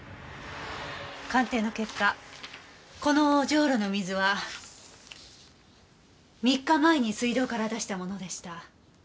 鑑定の結果このジョウロの水は３日前に水道から出したものでした。